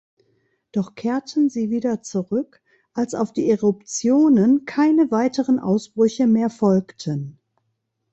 Doch kehrten sie wieder zurück, als auf die Eruptionen keine weiteren Ausbrüche mehr folgten.